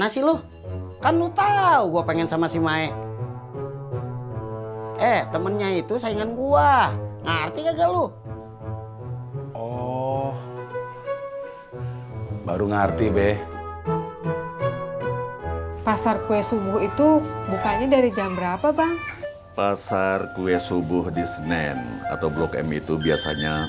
siapa yang ter pekyek bombs nya